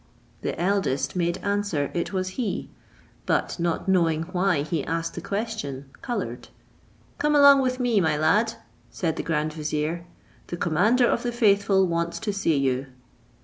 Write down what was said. The eldest made answer, it was he: but, not knowing why he asked the question, coloured. "Come along with me, my lad," said the grand vizier; "the commander of the faithful wants to see you."